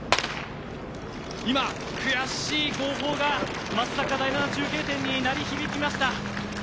今、悔しい号砲が松阪第７中継点に鳴り響きました。